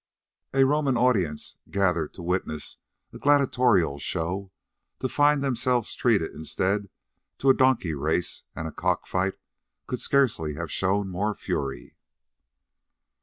A Roman audience gathered to witness a gladiatorial show, to find themselves treated instead to a donkey race and a cock fight, could scarcely have shown more fury.